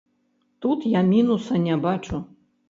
Тут я мінуса не бачу.